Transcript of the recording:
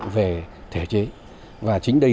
về thể chế và chính đây